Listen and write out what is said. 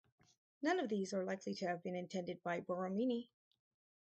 None of these are likely to have been intended by Borromini.